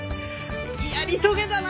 やり遂げたな！